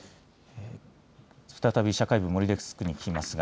再び社会部森デスクに聞きます。